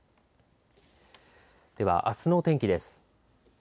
では、あすの天気です。